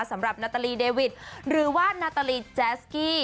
สำหรับนาตาลีเดวิดหรือว่านาตาลีแจสกี้